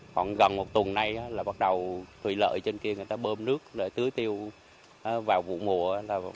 khoảng gần một tuần nay là bắt đầu thủy lợi trên kia người ta bơm nước để tưới tiêu vào vụ mùa